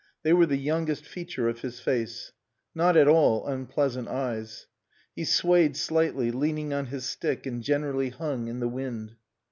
They were the youngest feature of his face. Not at all unpleasant eyes. He swayed slightly, leaning on his stick and generally hung in the wind.